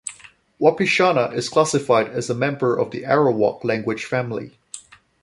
Wapishana is classified as a member of the Arawak language family.